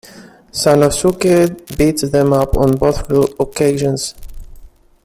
Sanosuke beats them up on both occasions.